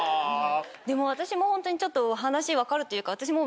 でも私もホントにちょっと話分かるというか私も。